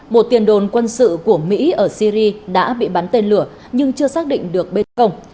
một tiền đồn quân sự của mỹ ở syri đã bị bắn tên lửa nhưng chưa xác định được bên cổng